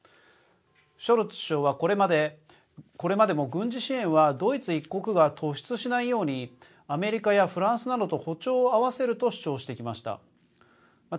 ショルツ首相はこれまでも軍事支援はドイツ１国が突出しないようにアメリカやフランスなどと歩調を合わせると主張してきました。